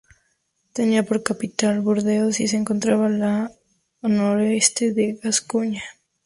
Tenía por capital Burdeos y se encontraba al noreste de Gascuña.